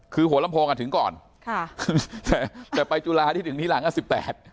คือหัวลำโพงอ่ะถึงก่อนแต่ไปจุฬาที่ถึงนี่หลังอ่ะ๑๘